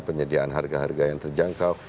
penyediaan harga harga yang terjangkau